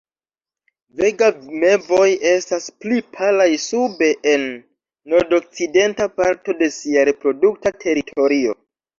Vega mevoj estas pli palaj sube en la nordokcidenta parto de sia reprodukta teritorio.